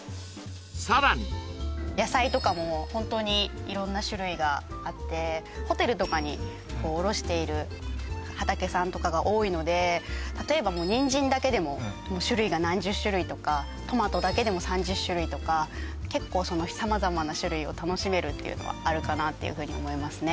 さらに野菜とかも本当に色んな種類があってホテルとかにこう卸している畑さんとかが多いので例えばにんじんだけでも種類が何十種類とかトマトだけでも３０種類とか結構様々な種類を楽しめるっていうのはあるかなっていうふうに思いますね